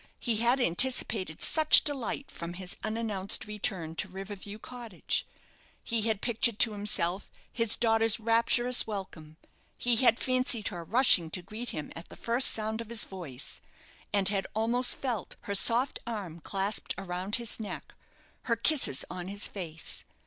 He had anticipated such delight from his unannounced return to River View Cottage; he had pictured to himself his daughter's rapturous welcome; he had fancied her rushing to greet him at the first sound of his voice; and had almost felt her soft arm clasped around his neck, her kisses on his face.